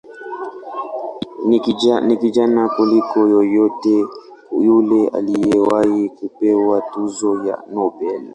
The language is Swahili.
Ni kijana kuliko yeyote yule aliyewahi kupewa tuzo ya Nobel.